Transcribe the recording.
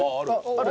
ある？